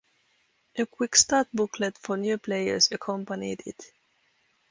A quickstart booklet for new players accompanied it.